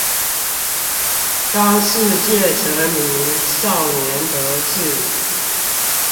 當世界沉迷年少得志